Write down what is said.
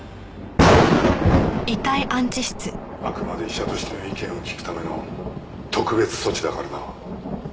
あくまで医者としての意見を聞くための特別措置だからな。